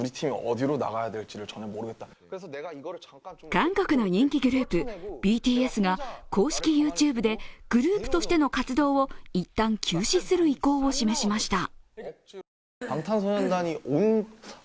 韓国の人気グループ、ＢＴＳが公式ＹｏｕＴｕｂｅでグループとしての活動を一旦休止する意向を示しました。